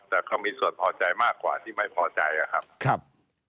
แต่เขามีส่วนพอใจมากกว่าที่ไม่พอใจอะครับ